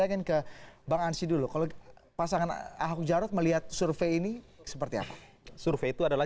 saya ingin ke bang ansyi dulu kalau pasangan ahok jarot melihat survei ini seperti apa survei itu adalah